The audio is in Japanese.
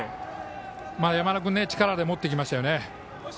山田君が力で持っていきましたね。